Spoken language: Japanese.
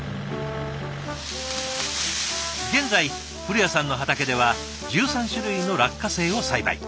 現在古谷さんの畑では１３種類の落花生を栽培。